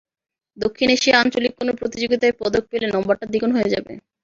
দক্ষিণ এশিয়ার আঞ্চলিক কোনো প্রতিযোগিতায় পদক পেলে নম্বরটা দ্বিগুণ হয়ে যাবে।